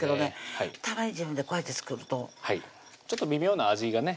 たまに自分でこうやって作るとちょっと微妙な味がね